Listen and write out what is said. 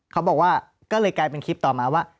เขาบอกว่าก็เลยกลายเป็นคลิปต่อมาว่า